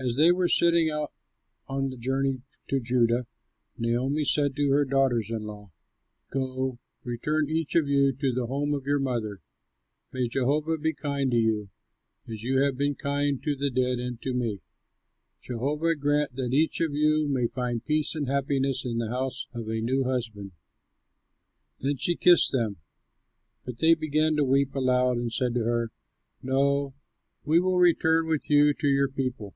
As they were setting out on the journey to Judah, Naomi said to her daughters in law, "Go, return each of you to the home of your mother. May Jehovah be kind to you, as you have been kind to the dead and to me. Jehovah grant that each of you may find peace and happiness in the house of a new husband." Then she kissed them; but they began to weep aloud and said to her, "No, we will return with you to your people."